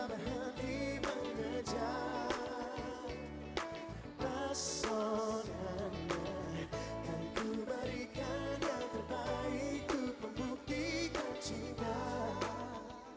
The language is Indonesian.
ya kita akan beri bantuan